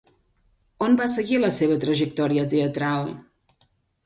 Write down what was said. On va seguir la seva trajectòria teatral?